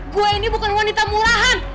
gue ini bukan wanita murahan